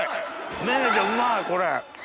芽奈ちゃんうまいこれ。